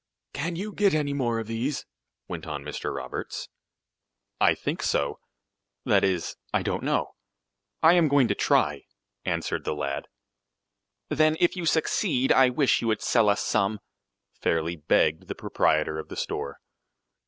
"Can you get any more of these?" went on Mr. Roberts. "I think so that is I don't know I am going to try," answered the lad. "Then if you succeed I wish you would sell us some," fairly begged the proprietor of the store.